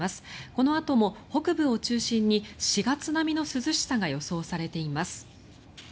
このあとも北部を中心に４月並みの涼しさが予想されています。